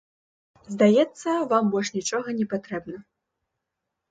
Здаецца, вам больш нічога не патрэбна.